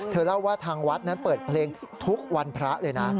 เล่าว่าทางวัดนั้นเปิดเพลงทุกวันพระเลยนะ